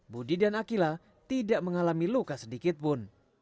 budi dan akila tidak mengalami luka sedikit pun